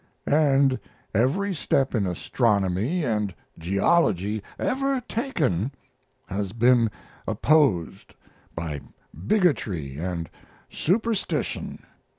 And every step in astronomy and geology ever taken has been opposed by bigotry and superstition.